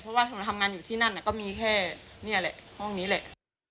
เพราะว่าเราทำงานอยู่ที่นั่นก็มีแค่นี่แหละห้องนี้แหละ